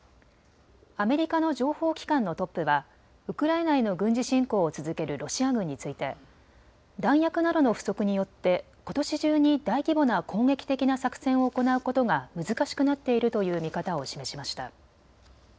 アメリカの情報機関のトップはウクライナへの軍事侵攻を続けるロシア軍について弾薬などの不足によってことし中に大規模な攻撃的な作戦を行うことが難しくなっているという見方を示しました。